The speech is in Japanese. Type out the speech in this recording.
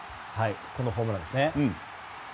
このホームランですね。